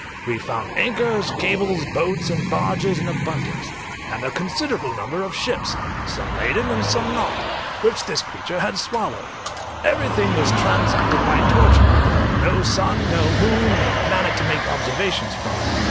We found anchors, cables, boats, and barges in abundance, and a considerable number of ships, some laden and some not, which this creature had swallowed. Everything was transacted by torch light; no sun, no moon, no planet, to make observations from.